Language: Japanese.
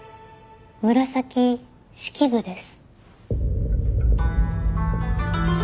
紫式部です。